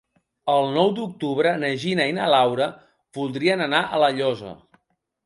El nou d'octubre na Gina i na Laura voldrien anar a La Llosa.